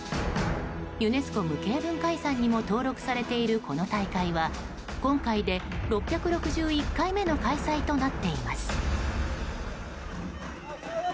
ユネスコ無形文化遺産にも登録されている、この大会は今回で６６１回目の開催となっています。